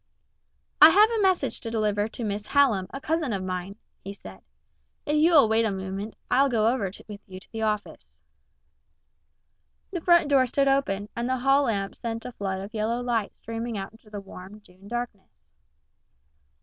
"I have a message to deliver to Miss Hallam, a cousin of mine," he said. "If you will wait a moment, I'll go with you over to the office." The front door stood open, and the hall lamp sent a flood of yellow light streaming out into the warm, June darkness.